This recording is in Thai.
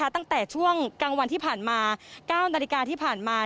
ตั้งแต่ช่วงกลางวันที่ผ่านมา๙นาฬิกาที่ผ่านมา